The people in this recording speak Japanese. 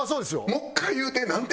もう１回言うて？なんて？